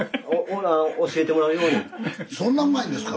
そんなうまいんですか？